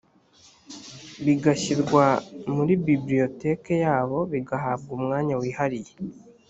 bigashyirwa muri bibliotheque yabo bigahabwa umwanya wihariye